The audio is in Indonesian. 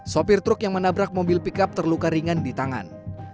sopir truk yang menabrak mobil pickup terluka ringan di tangan